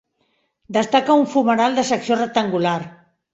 Destaca un fumeral de secció rectangular.